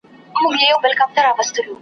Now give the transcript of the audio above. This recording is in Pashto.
زما د تورو پستو غوښو د خوړلو .